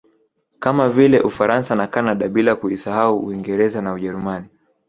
Kama vile Ufaransa na Canada bila kuisahau Uingereza na Ujerumani